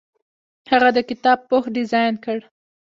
هغه د کتاب پوښ ډیزاین کړ.